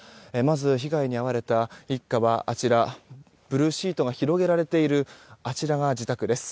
被害に遭われた一家はブルーシートが広げられているあちらが自宅です。